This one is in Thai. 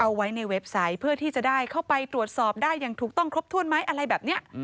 เอาไว้ในเว็บไซต์เพื่อที่จะได้เข้าไปตรวจสอบได้อย่างถูกต้องครบถ้วนไหมอะไรแบบนี้